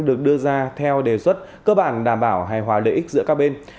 được đưa ra theo đề xuất cơ bản đảm bảo hài hòa lợi ích giữa các bên